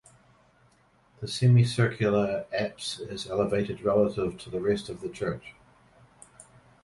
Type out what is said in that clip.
The semicircular apse is elevated relative to the rest of the church.